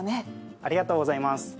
ありがとうございます。